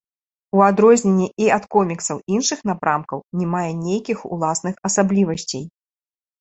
У адрозненні і ад коміксаў іншых напрамкаў, не мае нейкіх уласных асаблівасцей.